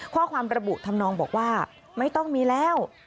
ข้อความระบุทำนองบอกว่าไม่ต้องมีแล้ว